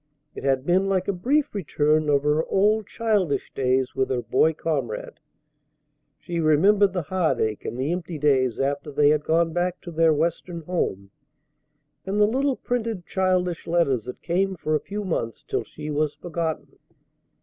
It had been like a brief return of her old childish days with her boy comrade. She remembered the heartache and the empty days after they had gone back to their Western home, and the little printed childish letters that came for a few months till she was forgotten.